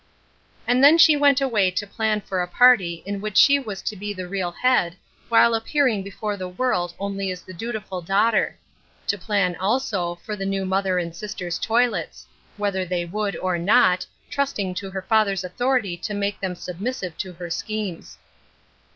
And then she went away to plan for a party in which she was to be the real head, while ap* pearing before the world only as the dutiful daughter ; to plan, also, for the new mother and sister's toilets — whether they would, or not, trusting to her father's authoritv to Tna.V<^ ^>*»t^ Rnl>mic; ftivp, to hf^.v ^p.hfimeR 60 Ruth Erslcines Cro.ses.